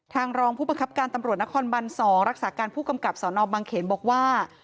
รองผู้บังคับการตำรวจนครบัน๒รักษาการผู้กำกับสนบังเขนบอกว่า